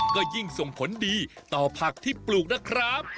ก็ยิ่งส่งผลดีต่อผักที่ปลูกนะครับ